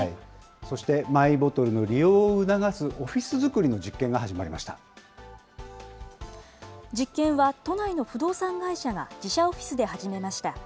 そして、マイボトルの利用を促すオフィスづくりの実験が始ま実験は都内の不動産会社が自社オフィスで始めました。